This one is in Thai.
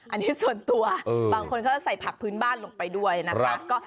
อันนี้ส่วนตัวบางคนเขาจะใส่ผักพื้นบ้านลงไปด้วยนะคะ